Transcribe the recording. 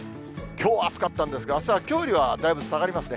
きょうは暑かったんですが、あすはきょうよりはだいぶ下がりますね。